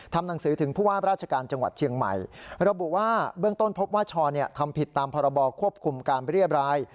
หนังสือถึงผู้ว่าราชการจังหวัดเชียงใหม่ระบุว่าเบื้องต้นพบว่าชอทำผิดตามพรบควบคุมการเรียบราย